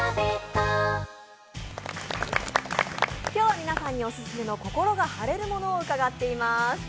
今日は、皆さんにオススメの心が晴れるものを伺っています。